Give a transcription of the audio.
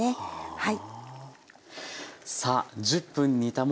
はい。